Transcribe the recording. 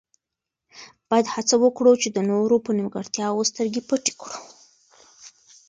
باید هڅه وکړو چې د نورو په نیمګړتیاوو سترګې پټې کړو.